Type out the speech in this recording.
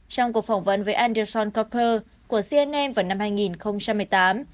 trong cuộc phỏng vấn với anderson capper của cnn vào năm hai nghìn một mươi tám